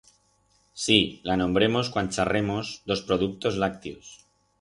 Sí, la nombremos cuan charremos d'os productos lactios.